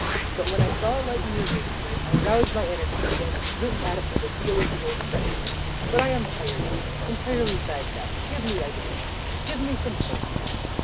But when I saw a light in your room to night I roused my energies again and went at it with a deal of the old freshness. But I am tired out—entirely fagged out. Give me, I beseech you, give me some hope!"